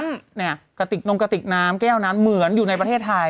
น้ำกระติกน้ำแก้วน้ำเหมือนอยู่ในประเทศไทย